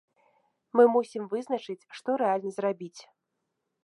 Мы мусім вызначыць, што рэальна зрабіць.